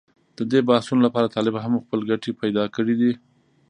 د دې بحثونو لپاره طالب هم خپل ګټې پېدا کړې دي.